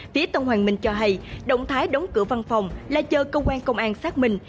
phía tân hoàng minh cho hay động thái đóng cửa văn phòng là chờ cơ quan công an xác minh